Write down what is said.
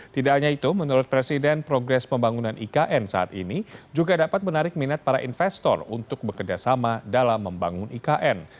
tidak hanya itu menurut presiden progres pembangunan ikn saat ini juga dapat menarik minat para investor untuk bekerjasama dalam membangun ikn